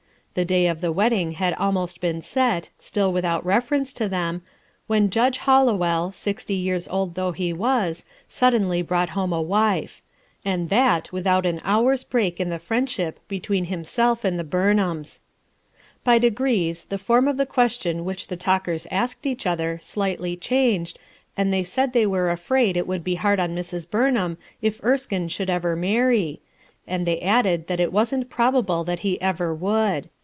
The day for the wedding had almost been set, still without reference to them, when Judge HalloweLl, sixty years old though he was, suddenly brought home a wife; and that, with out an hour's break in the friendsliip between himself and the Burnliams, By degrees, the form of the question which the talkers asked each other slightly changed, and they said they were afraid it would be hard on Mrs. Burnham if Erskine should ever marry, and A SPOILED MOTHER 101 they added that it wasn't probable that he ever would.